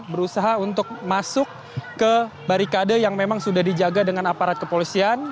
berusaha untuk masuk ke barikade yang memang sudah dijaga dengan aparat kepolisian